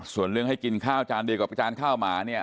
ส่วนเรื่องให้กินข้าวจานเดียวกับจานข้าวหมาเนี่ย